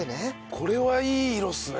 これはいい色っすね。